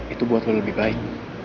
itu buat lo lebih baik